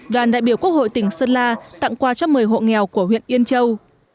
đoàn đại biểu quốc hội tỉnh sơn la tặng qua chấp mời hộ nghèo của huyện yên châu